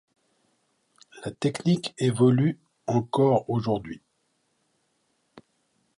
La technique évolue encore aujourd'hui.